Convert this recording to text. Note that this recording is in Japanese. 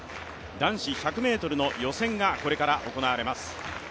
男子１００ｍの予選がこれから行われます。